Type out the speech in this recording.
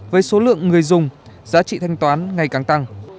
với số lượng người dùng giá trị thanh toán ngày càng tăng